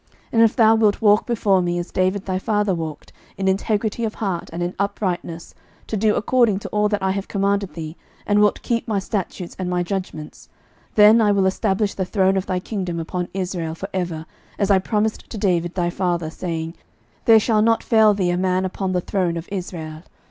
11:009:004 And if thou wilt walk before me, as David thy father walked, in integrity of heart, and in uprightness, to do according to all that I have commanded thee, and wilt keep my statutes and my judgments: 11:009:005 Then I will establish the throne of thy kingdom upon Israel for ever, as I promised to David thy father, saying, There shall not fail thee a man upon the throne of Israel.